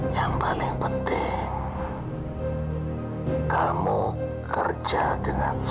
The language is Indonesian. yang paling penting kamu kerja dengan senang